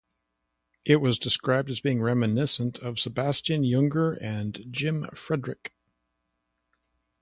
It was described as being reminiscent of Sebastian Junger and Jim Frederick.